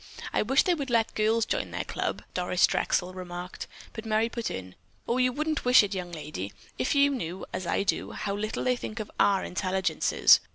I wish they would let girls join their club," Doris Drexel remarked, but Merry put in: "You wouldn't wish it, young lady, if you knew, as I do, how little they think of our intelligences.